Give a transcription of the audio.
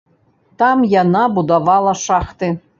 Там яна будавала шахты.